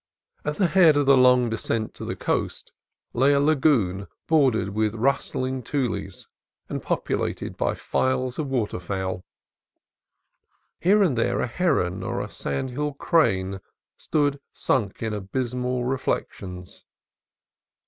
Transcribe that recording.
At the head of the long descent to the coast lay a lagoon bordered with rustling tules and populated by files of water fowl. Here and there a heron or a sandhill crane stood sunk in abysmal reflections.